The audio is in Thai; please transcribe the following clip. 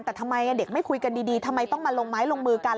แต่ทำไมเด็กไม่คุยกันดีทำไมต้องมาลงไม้ลงมือกัน